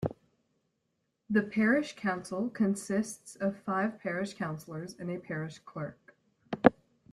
The parish council consists of five parish councillors and a parish clerk.